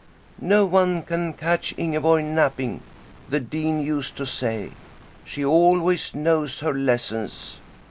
'No one can catch Ingeborg napping,' the dean used to say. 'She always knows her lessons.'